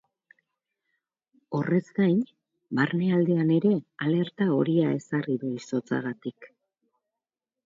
Horrez gain, barnealdean ere alerta horia ezarri du, izotzagatik.